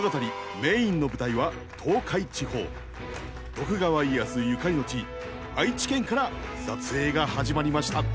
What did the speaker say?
徳川家康ゆかりの地愛知県から撮影が始まりました。